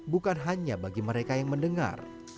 bukan hanya bagi mereka yang mendengar